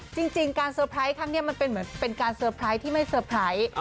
จริงการเซอร์ไพรส์ครั้งนี้มันเป็นเหมือนเป็นการเตอร์ไพรส์ที่ไม่เซอร์ไพรส์